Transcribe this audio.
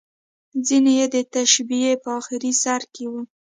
ځینې یې د تشبیه په اخري سر کې وو.